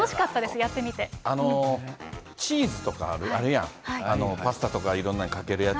やってチーズとかあるやん、パスタとかいろんなのにかけるやつ。